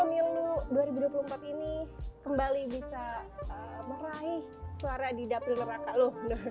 berarti yakin pemilu dua ribu dua puluh empat ini kembali bisa meraih suara di dapur neraka lo